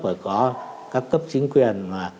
phải có các cấp chính quyền mà